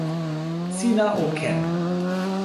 sina o ken!